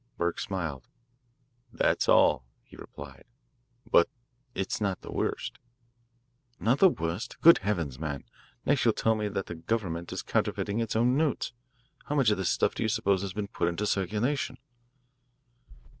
Burke smiled. "That's all," he replied, "but it's not the worst." "Not the worst? Good heavens, man, next you'll tell me that the government is counterfeiting its own notes! How much of this stuff do you suppose has been put into circulation?"